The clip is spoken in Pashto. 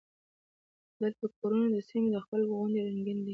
دلته کورونه د سیمې د خلکو غوندې رنګین دي.